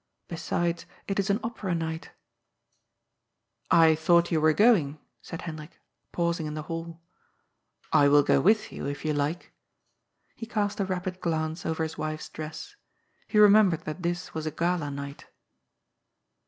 Besides, it is an Opera night" ^^ I thought you were going," said Hendrik, pausing in the hall. " I will go with you, if you like." He cast a rapid glance over his wife's dress. He remembered that this was a gala night.